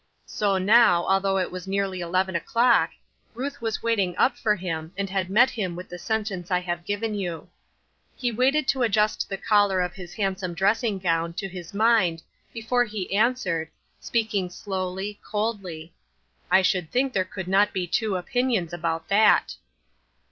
So now, although it was nearly eleven o'clock, Ruth was waiting up for him, and had met him with the sentence I have given you. He waited to adjust the collar of the handsome dressing gown to his mind before he answered, speaking slowly, coldly, "I should think there could not be two opinions about that."